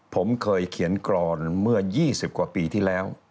ผมเคยเขียนกรอนเมื่อ๒๐กว่าปีที่แล้ว